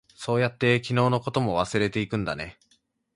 そうやって、昨日のことも忘れていくんだね。